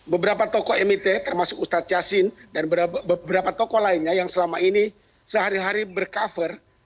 beberapa tokoh mit termasuk ustadz yassin dan beberapa tokoh lainnya yang selama ini sehari hari bercover